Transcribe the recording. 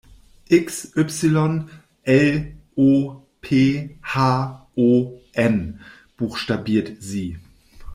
"X Y L O P H O N", buchstabiert sie.